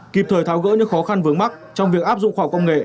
kịp thời tháo gỡ những khó khăn vướng mắt trong việc áp dụng khoa học công nghệ